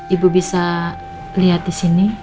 ibu bisa lihat disini